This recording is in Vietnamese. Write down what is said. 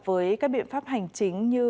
với các biện pháp hành chính như